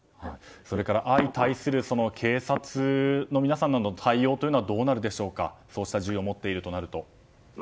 それから相対する警察の皆様の対応というのはどうなるでしょうかそうした銃を持っているとなると。